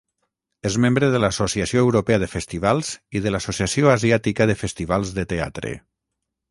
És membre de l'Associació Europea de Festivals i de l'Associació Asiàtica de Festivals de Teatre.